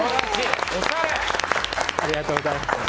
ありがとうございます。